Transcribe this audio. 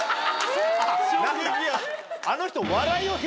あの人。